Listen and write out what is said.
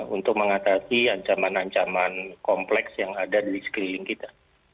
untuk mengatasi ancaman ancaman kompleks yang ada di sekeliling kita